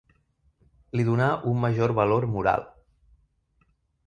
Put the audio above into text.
Li donà un major valor moral.